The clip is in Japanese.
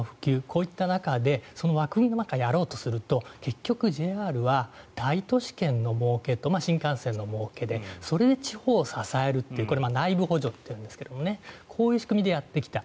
こういった中でその枠組みの中、やろうとすると結局、ＪＲは大都市圏のもうけと新幹線のもうけでそれで地方を支えるってこれ、内部補助というんですがこういう仕組みでやってきた。